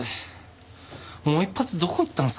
もう１発どこ行ったんすかね？